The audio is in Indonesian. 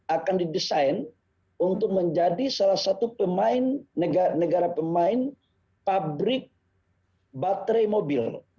akan didesain untuk menjadi salah satu negara pemain pabrik baterai mobil